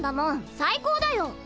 最高だよ。